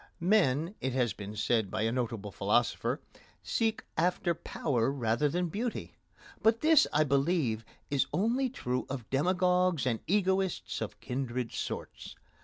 Men, it has been said by a notable philosopher, seek after power rather than beauty; but this, I believe, is only true of demagogues and egoists of kindred sorts.